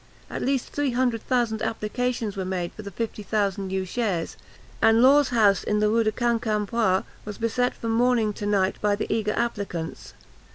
At least three hundred thousand applications were made for the fifty thousand new shares, and Law's house in the Rue de Quincampoix was beset from morning to night by the eager applicants.